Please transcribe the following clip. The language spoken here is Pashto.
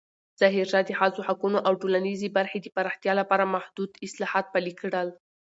ظاهرشاه د ښځو حقونو او ټولنیزې برخې د پراختیا لپاره محدود اصلاحات پلې کړل.